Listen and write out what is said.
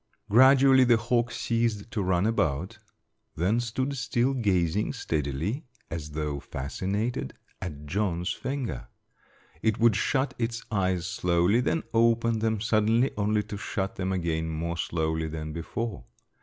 Gradually the hawk ceased to run about, then stood still gazing steadily, as though fascinated, at John's finger. It would shut its eyes slowly, then open them suddenly, only to shut them again more slowly than before.